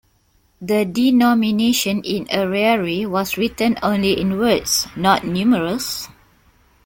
The denomination in ariary was written only in words, not numerals.